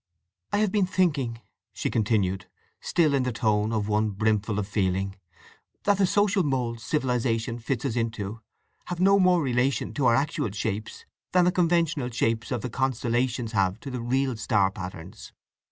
"I have been thinking," she continued, still in the tone of one brimful of feeling, "that the social moulds civilization fits us into have no more relation to our actual shapes than the conventional shapes of the constellations have to the real star patterns.